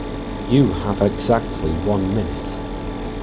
You have exactly one minute.